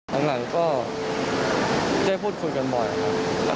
ครั้งหลังก็ได้พูดคุยกันบ่อยค่ะ